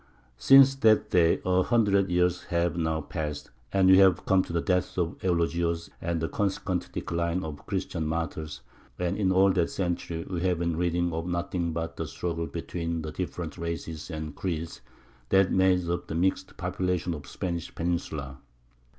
Since that day, a hundred years have now passed, and we have come to the death of Eulogius and the consequent decline of the Christian martyrs; and in all that century we have been reading of nothing but the struggle between the different races and creeds that made up the mixed population of the Spanish peninsula.